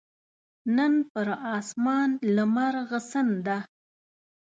نن پر اسمان لمرغسن ده